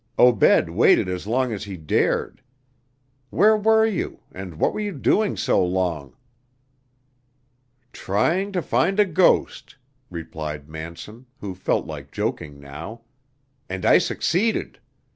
Obed waited as long as he dared. Where were you, and what were you doing so long?" "Trying to find a ghost," replied Manson, who felt like joking now, "and I succeeded.